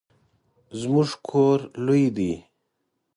زموږ کور لوی دی